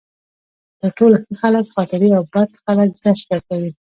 تر ټولو ښه خلک خاطرې او بد خلک درس درکوي.